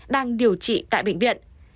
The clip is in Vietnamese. đang điều trị tại bệnh viện